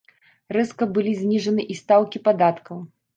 Рэзка былі зніжаны і стаўкі падаткаў.